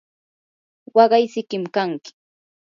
waqay sikim kanki.